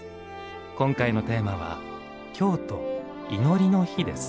今回のテーマは「京都祈りの火」です。